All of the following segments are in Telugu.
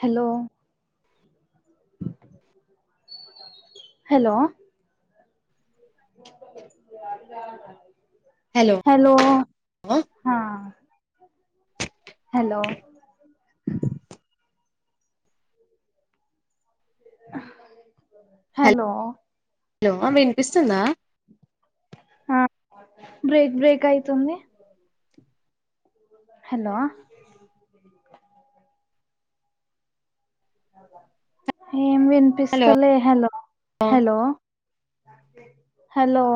హలో హలో [unintelligible] హలో హా హలో హలో ఏమన్నా వినిపిస్తుందా ఆ బ్రేక్ బ్రేక్ అయితుంది హలో అ [inaudible] ఏం హలో వినిపిస్తలే హలో హలో హలో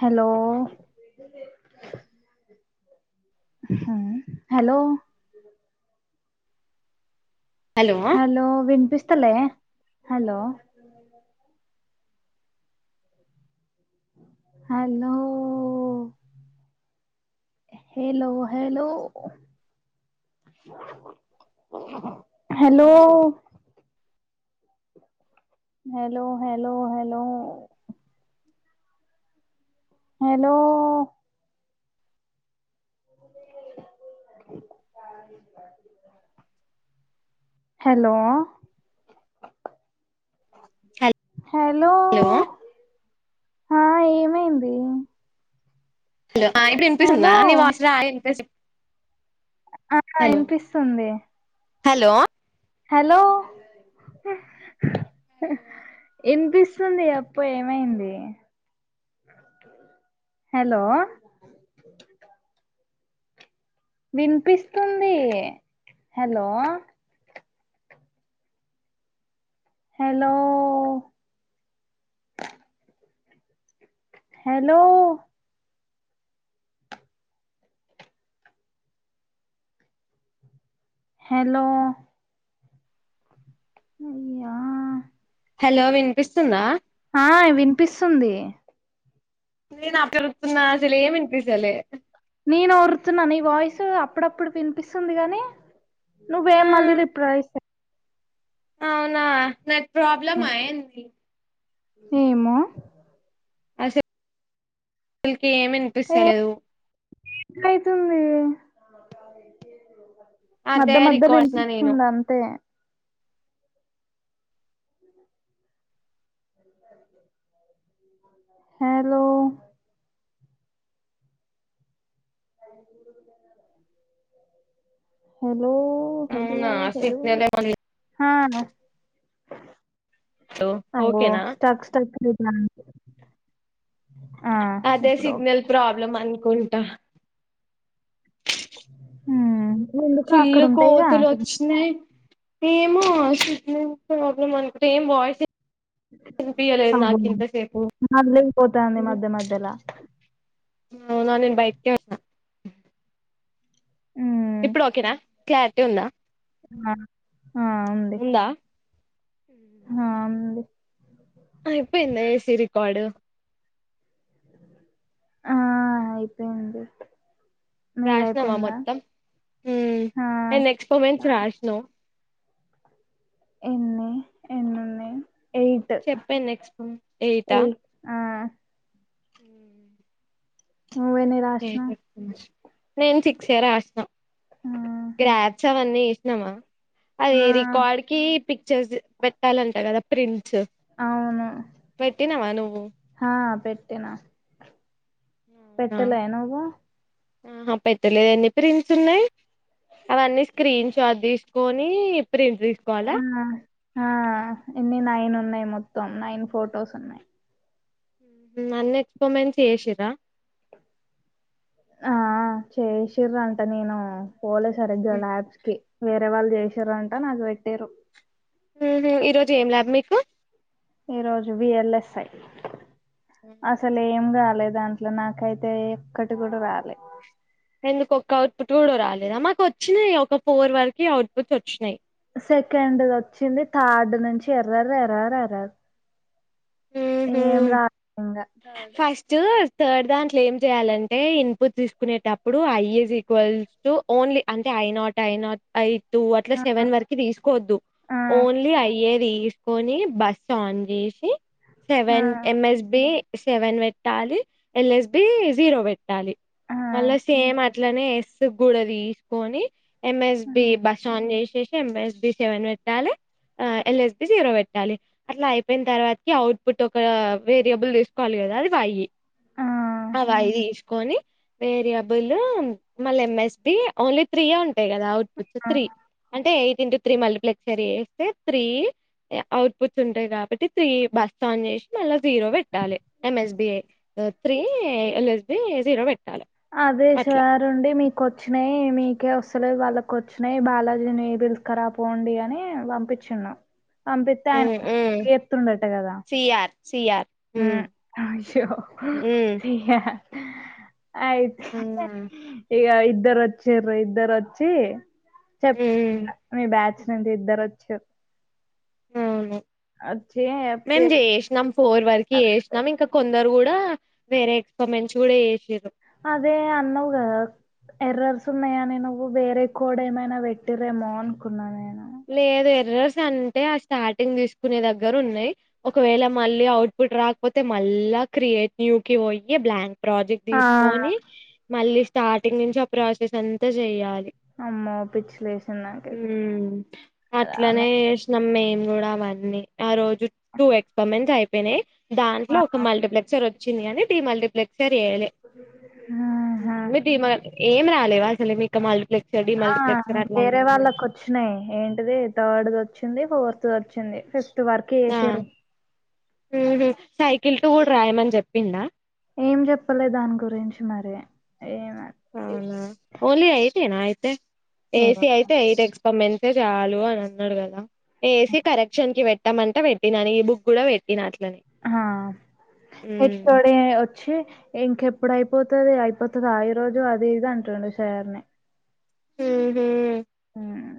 హలో హ హలో హలో విన్పిస్ స్తలే hello hello hello hello hello hello hello hello hello hello hello hello ఆ ఏమైంది హలో ఇప్పుడు వినిపిస్తోంద హలో! నీ వాయిస్ [unintelligible] ఆ హలో యినిపిస్తుంది హలో హలో ఇనిపిస్తుంది చెప్పు ఏమైంది హలో విన్పిస్తుంది హెలో హెలో హెలో హెలో ఇయ్యా హెలో విన్పిస్తుందా ఆ విన్పిస్తుంది నేనా [unintelligible] తున్న అసలే దిసలే నేను ఊరుతున్నాను ఈ వాయిస్ అప్పుడప్పుడు వినిపిస్తుంది గాని ఆ నువ్వేం మళ్ళి రిప్లై ఇస్త అవునా న ప్రాబ్లమ్ హ్మ్. అ ఏంది ఏమో అసే [unintelligible] ఏమిన్పిస్తలేదు [unintelligible] ఐతుంది అదే మధ్య మధ్యలో రికార్డ్ చేసిన నేను ఇన్పిస్తుందంతే హెలో అఐూరుకు అవునా సిగ్నల్ [unintelligible] ఏమో ఆహా లేదు అబ్బొ ఓకేనా స్టక్ స్టక్ ఐతాంది అదే ఓకే సిగ్నల్ ప్రాబ్లమ్ అనుకుంటా మ్మ్ ఫుల్లు కోతులొచ్చినయ్ ఏమో సిగ్నల్ ప్రాబ్లమ్ అనుకు [unintelligible] ఏం వాయిసే అది ఇంతసేపు మళ్ళీ పోతాంది మధ్య మధ్యలా ఆవునా నేన్ బయట్కే ఉన్నా మ్ ఇప్పుడు ఓకేనా క్లారిటీ ఉందా ఆ ఆ, ఉంది ఉందా ఆ ఉంది ది రికార్డు ఆ అయిపోయింది మీది రాసినావా అయిపోయిందా మొత్తం ఆ, ఆ, ఎన్నెక్స్పెరిమెంట్స్ రాసినావ్ ఎన్నై ఎన్నున్నై చెప్పేను నెక్స్ట్ ఏయిటా ఎయిట్ హ నువ్వెన్ని రాసినావు నేను సి చే రాసినం ఆహా. గ్రాఫ్సవన్నీ నమ అది ఆ, రికార్డ్ కి పిక్చర్స్ పెట్టాలంట కదా ప్రిన్ అవును పెట్టినవా నువ్వు తేనా అవునా పెట్టలే నువ్వు ఆహా పెట్టలేదు ఎన్ని ప్రింట్స్ ఉన్నాయి అవన్నీ స్క్రీన్ షాట్ తీసుకోని ఆ ఆ ఇన్ని నైనున్నాయి యి మొత్తం నైన్ ఫోటోస్ ఉన్నాయి అన్నీ ఎక్స్పర్మింట్ చేషీరా ఆ చేసిర అంట నేను పోలే సరిగ్గా లాబ్స్ కీ వేరే వాళ్ళు చేసారంట నాకు పెట్టిర్రు ఈ రోజు ఏం లాబ్ మీకు ఈ రోజు విఎల్ఎస్ ఐ అసలు ఏం గాలేదు దాంట్లో నాకైతే ఒక్కటి కూడా రాలే ఎందుకు ఒక్క అవుట్పుట్ కూడా రాలేదా మాకు వచ్చినాయి ఒక ఫోర్ వరకు అవుట్ పుట్స్ వచ్చినాయి సెకండ్ది వచ్చింది థర్డ్ నుంచి ఎర్రర్ ఎర్రర్ ఎర్రర్ ఏం ఉహు రాజం [unintelligible] గా ఫస్ట్ థర్డ్ దాంట్లో ఏం చేయాలంటే ఇన్పుట్ తీసుకునేటప్పుడు ఐఈజ్ ఈక్వల్స్ టు ఓన్లీ అంటే ఐనాట్ ఐనాట్ ఐ టూ అట్లా ఆ సెవెన్ వరకి తీసుకోవద్దు ఆ ఓన్లీ అయ్యేది తీసుకొని బస్ ఆన్ చేసి ఆ సెవెన్ ఎంఎస్బి సెవెన్ పెట్టాలి ఎల్ఎస్బి జీరో పెట్టాలి ఆ మళ్ళా సేమ్ అట్లనే ఎస్ కూడ తీసుకొని ఎం ఎస్బి బస్ ఆన్ చేసి ఎస్బియం సెవెన్ పెట్టాలి ఎల్ ఎస్బి జీరో పెట్టాలి అట్లా అయిపోయిన తర్వాత అవుట్ పుట్ ఒక వేరియబుల్ తీసుకోవాలి కదా అది వై ఆ ఆ వై తీసుకొని వేరియబుల్ మల్లి ఎమెస్పీ ఓన్లీ త్రీ ఉ ఉంటాయి కదా అవుట్ పుట్ ఆ త్రీ అంటే ఎయిట్ ఇంటు త్రీ మల్టీప్లెక్సరీ చేస్తే త్రీ అవుట్ పుట్స్ ఉంటాయి కాబట్టి త్రీ బస్ ఆన్ చేసి మళ్ళా జీరో పెట్టాలి ఎంఎస్బి త్రీ ఎల్ఎస్బి జీరో పెట్ అదే సారుండి మీ వచ్చినాయి మీకే వస్తలే వాళ్ళకి వచ్చినాయి బాలాజీని పిలుసుకరా పోండి అని పంపించిన్నా అని చెబితే మ్మ్ మ్మ్ అయనతుండట కదా సిఆర్ సిఆర్ మ్మ్ అయ్యో మ్మ్ అయ హా ఆయితే ఇగ ఇద్దరు వచ్చిన్రు ఇద్దరు వచ్చి చెప్ మ్మ్ మీ బ్యాచ్ చ్చిన ఇద్దరొచ్చారు అవును మేం చెప్పిర్రు, చేసినాం ఫోర్ వరకు చేసినాం ఇంకా కొ అందరు కూడా వేరే ఎక్స్పెరిమెంట్స్ కూడా చేసిర్రు అదే అన్నావు గదా ఎర్రర్స్ ఉన్నాయని నువ్వు వేరే కోడ్ ఏమైనా పెట్టిరేమో అనుకున్నాను నేను లేదు ఎర్రర్స్ అంటే ఆ స్టార్టింగ్ తీసుకునే దగ్గర ఉన్నాయి ఒకవేళ మళ్ళీ అవుట్పుట్ రాకపోతే మళ్ళా క్రియేట్ న్యూ కి పోయి బ్లాంక్ ప్రాజెక్ట్ ఆ తీసుకోని మళ్ళీ స్టార్టింగ్ నుంచి ఆ ప్రాసెస్ అంతా చెయ్యాలి అమ్మో పిచ్చిలేసింది నాకు ఆయితే ఉమ్ అట్లనే వేసినం మేం గూడా అవన్నీ ఆ రోజు టూ ఎక్స్పరిమెంట్స్ అయిపోయినాయి దాంట్లో ఒక మల్టిప్లెక్సర్ వ చియానీ డి మల్టిప్లక్స్ ఆన్సర్ చెయ్యలే ఆహా అన్నీ డిమోటే ఏం రాలేవా అసలు మీకు మళ్ళ్ ఆ వేరే వాళ్ళకు వచ్చినాయి ఏం ది థర్డ్ది వచ్చింది ఫోర్త్ దివచ్చింది ఫిఫ్త్ తు వర్క్ చేసేర ఊహూ సైకిల్ తో కూడా రాయమని చెప్పిందా ఏం చెప్పలే దాని గురించి మరి ఏమని అవునా తే ఏమో ఏసి అయితే ఐటెక్స్ ఏసీ కరెక్షన్ కి పెట్టామంటా పెట్టిన అని ఈ బుక్ కూడా పెట్టిన అట్లా హ ఇప్పుడే వచ్చి ఇంకేప్ ఇప్పుడు అయిపోతది అయిపోతుద ఈ రోజు అది ఇది అంటుడు సార్ నీ ఊహూ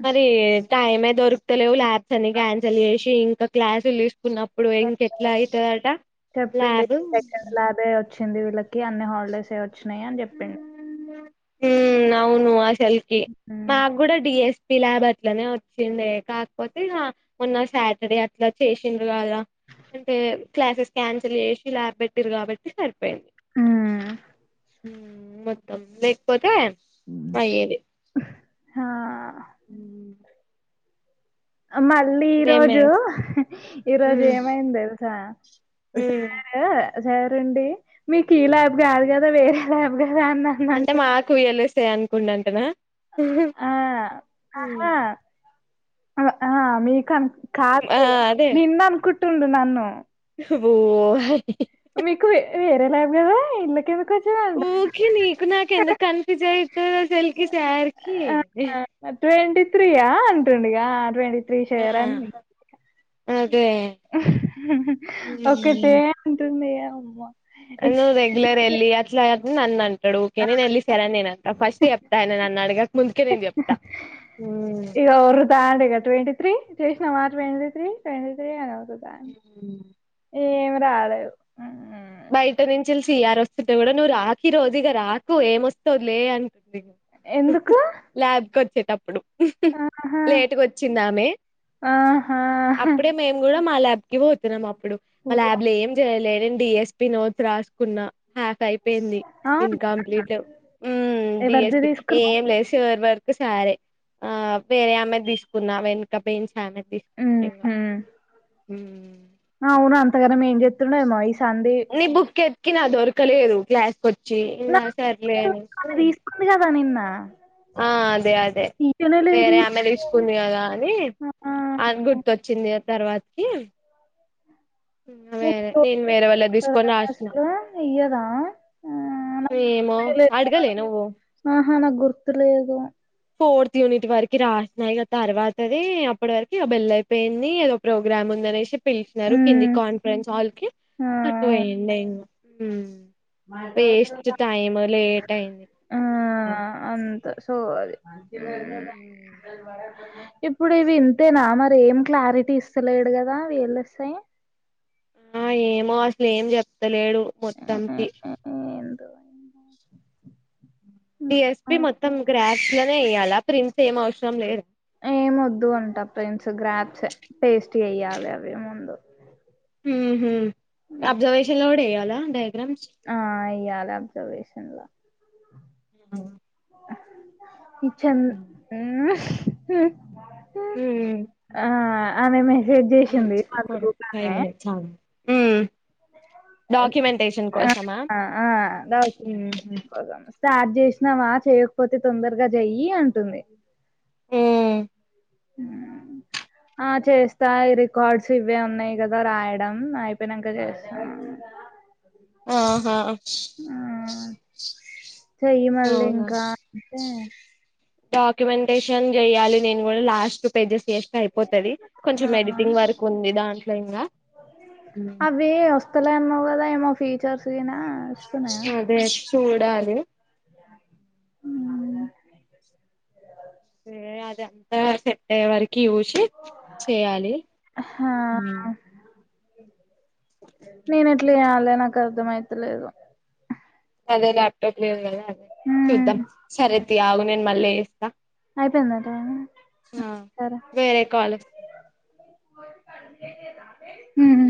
మరి టైమే దొరుకుత లేవు ల్యా సనికా అంచెల్లి లేసి క్లాసోళ్ళు తీ కున్నప్పుడు ఇంక ఎట్లా అయితదట ల్యాబ్ చ్చింది వీళ్ళకి అన్ని హాలిడేస్ ఆ చ్చినై అని చెప్పిండు హ్ అవును అ సాల్కి ఉమ్ మాకు కూడా డి ఎస్ పి ల్యాబ్ అట్లనే వచ్చిండే కాకపోతే ఇగ మొన్న సాటర్డే అట్లా చేసిం దగ అంటే క్లాసెస్ క్యాన్సిల్ చేసి ల్యాబ్ పెట్టిరు కాబట్టి సరిపోయింది. హ్ హ్ మొత్తం లేకపోతే అయ్యేది హా ఉ మళ్ళీ ఈ రోజు ఈరోజు ఉమ్ ఏమైంది తెలుసా ఉమ్ సార్ సరండి మీకు ఈ ల్యాబ్ కాదు కదా వేరే ల్యాబ్ కదా అని అంటే అన్నాడు మా కూయ్యలీస్ స్తే అనుకుండు అంటనా ఆ హు ఆ ఆ మీ కన్ కాదు ఆ లే అదే నిన్న అన్కుట్ టుండు నన్ను ఓహ మీకు వేరే ల్యాబ్ కదా ఇంల్ల ఏవార్ ఓకే నీకు నాకు ఎందుకు కన్ఫ్యూజ్ అయితది ఆసలికి సార్కి ట్వంటీ త్రీయా అంటుండిగా అటువంటి త్ర్రిషేయరం హ్ ఒకటె అంటుంది అవ్వ నువ్వు రెగ్యులర్ ఎల్లి అట్లా నన్నం టడు ఆ యుకె నేనేల్లి సరే అని నేనంట ఫస్ట్ చెప్తా నన్ను అడగక ముందే నెన్ చెప్తా హు ఇగ ఒర్రుతాండు ఇగ ట్వంటీ త్రీ చేసినవా ట్వంటీ త్రీ ట్వంటీ త్రీ అన్ మ్మ్ ఎం రాలేవు మ్మ్ బయట నించిల్ సియర్ వస్తుంటే కూడా నువ్వు రాఖీ రోజు ఇక రాకు ఏమొస్తవు లే అని ఎందుకు ల్యాబ్కి వచేయ్ అప్పుడు ఆహా లేటుగా వచ్చిందామె ఆహా అప్పుడే మేము కూడా మాలాడ్కి పోతున్నామ్ అప్పు ఇప్పుడు మా ల్యాబ్ లో ఏం చేయలేదు. రెండు ఎస్ పి నోట్ రాస్కున్నా హ్యాఫ్ అయ్ పేయింది అవునా ఇంకంప్లీట్ హ్మ్ ఎవరిది డిఎస్టి తీసుకున్నావ్ ఏం లేదు షూర్ వర్క్ ఒకసారే ఆ వేరే ఆమ్మెద్ తీసుకున్నా వెనక పెన్సి మ్మ్ హ్మ్ మ్మ్ అవును అంతగానా ఏమి చెప్తుండేమో ఈసార్ నీ బుక్ ఎత్ కినా దొరకలేదు క్లాస్ కొట్ చేద్ గా వస్తే [unintelligible] ఆ ఆ అదే అదే లేదు వేరే ఈరోజు ఆమె తీసుకుంది కదా అని ఆ అది గుర్తొచ్చింది ఆతర్వాత్ కి వేరే నేను వేరే వాళ్ళదీస్కొని రాసిన ఇయ్యరా ఏమో అడగలే నువ్వు ఆ నాకు గుర్తులేదు ఫోర్త్ యూనిట్ వరకి రాసినయి ఆ తర్వాతది అప్పటి వరకు బెల్ అయిపేయింది ఏదో ప్రోగ్రామ్ ఉందనేసి పిలిచినారు ఉమ్ కింది కాన్ఫరెన్స్ హాల్ కి ఆ అటు వేయండి ఇంకా మ్మ్ అయింది ఆ అంత సోది ఆ [inaudible] ఇప్పుడు ఇవి ఇంతేనా మరి ఏం క్లారిటీ ఇస్తలేడు కదా వీళ్ళొస్తే ఆ ఏమో అసలు ఏం చెప్ వందలేడు మొత్తంకి ఏందో ఎస్పి మొత్తం గ్రాస్ [unintelligible] అలా ప్రిన్స్ ఏం అవసరం లేదా ఏం వద్దు అంటా ఫ్రెండ్స్ గ్రాప్స్ పేస్ట్ చేయ్యాలి అవి ముందు ఉమ్ ఉహూ ఆబ్జర్వేషన్ లోడే [unintelligible] ఆ అయ్య అబ్జర్వేషన్ల హా చెన్ [unintelligible] మ్మ్ ఉమ్ ఆ అనే మెసేజ్ చేసింది మాకు గ్రూప్ ఆమె ఉ డాక్యుమెంటేషన్ ఆ కోసమా ఆ ఆ డౌట్ కోసం స్టార్ట్ చేసినవా చేయకపోతే తొందరగా చెయ్యి అంటుంది మ్మ్ ఆ చేస్తాయి రికార్డ్స్ ఇవే ఉన్నాయి కదా రాయడం అయిపోయినాక చేస్తా ఆహా ఆ చెయ్యి మళ్ళీ అవునా ఇంకా అంటే డాక్యుమెంటేషన్ చెయాలి నేను కూడా లాస్ట్ అడ్జస్ట్ చేస్తే అయిపోతుంది ఆ కొంచం ఎడిటింగ్ వర్క్ ఉంది దాంట్లో ఇంకా అవి వస్తలే అన్నావు కదా ఏమో ఫీచర్స్ నా వస్తున్నాయా చూడాలి అే అద అంతా చెప్పే వరకి కి చూసి చేయాలి [inaudible] నేనే ఎట్లా చేయాలే నాకు అర్థమయితలేదు అదే లాపటాప్ లేదు కదా సరే చూద్దాం సరే ఆగు నేన్ మళ్ళీ అయిపోయిందా టైం వేరే కాల్ వస్తు - - మ్మ్ హు